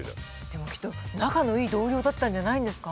でもきっと仲のいい同僚だったんじゃないんですか。